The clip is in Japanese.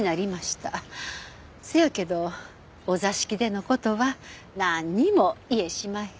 せやけどお座敷での事はなんにも言えしまへん。